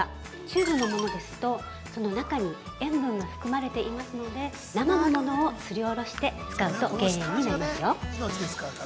チューブのものですと、中に塩分が含まれていますので生のものをすりおろして使うと減塩になりますよ。